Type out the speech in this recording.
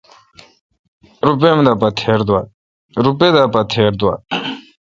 روپے اؙم دہ پہ تھیر دوال۔